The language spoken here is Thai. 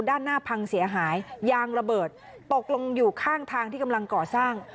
ด้านหน้าพังเสียหายยางระเบิดตกลงอยู่ข้างทางที่กำลังก่อสร้าง